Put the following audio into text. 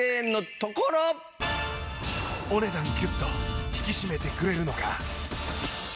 お値段ギュッと引き締めてくれるのか。